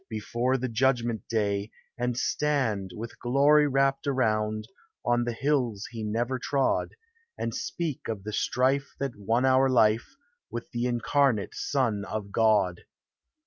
Before the judgment day, And stand, with glory wrapped around On the hills he never trod, And speak of the strife that won our life With the incarnate Son of God.